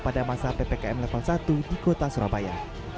pada masa ppkm delapan puluh satu di kota surabaya